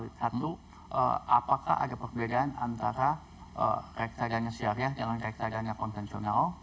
pertanyaan pertama apakah ada perbedaan antara reksadanya syariah dengan reksadanya konsensional